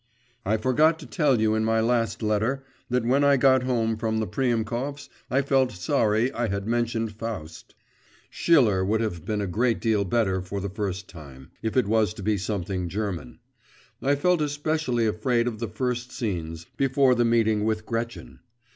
I forgot to tell you in my last letter that when I got home from the Priemkovs' I felt sorry I had mentioned Faust; Schiller would have been a great deal better for the first time, if it was to be something German. I felt especially afraid of the first scenes, before the meeting with Gretchen.